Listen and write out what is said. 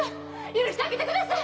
許してあげてください！